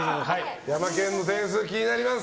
ヤマケンの点数、気になります。